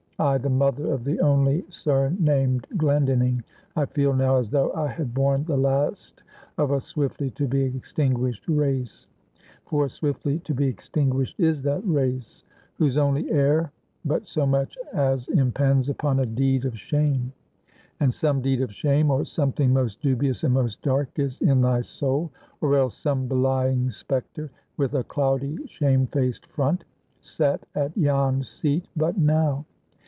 I, the mother of the only surnamed Glendinning, I feel now as though I had borne the last of a swiftly to be extinguished race. For swiftly to be extinguished is that race, whose only heir but so much as impends upon a deed of shame. And some deed of shame, or something most dubious and most dark, is in thy soul, or else some belying specter, with a cloudy, shame faced front, sat at yon seat but now!